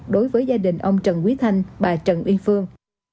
đối với gia đình ông trần quý thanh bà trần uyên phương